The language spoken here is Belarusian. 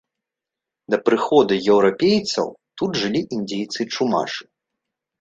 Да прыходу еўрапейцаў тут жылі індзейцы-чумашы.